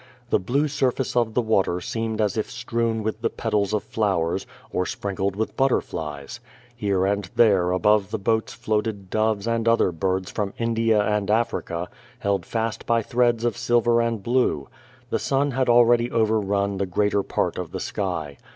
The blue surface of the water seemed as if strewn with the petals of flowers, or sprinkled with butterflies. Here and there above the boats floated doves and other birds from India and Africa, held fast by threads of silver and blue. The sun had already overrun the greater part of the sky.